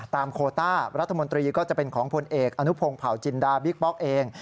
โคต้ารัฐมนตรีก็จะเป็นของพลเอกอนุพงศ์เผาจินดาบิ๊กป๊อกเอง